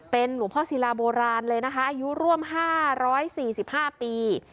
เป็นหลวงพ่อศิลาโบราณเลยนะคะอายุร่วม๕๔๕ปี